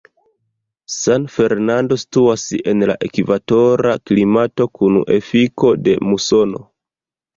San Fernando situas en la ekvatora klimato kun efiko de musono.